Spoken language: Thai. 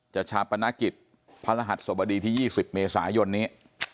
ชาปนกิจพระรหัสสบดีที่๒๐เมษายนนี้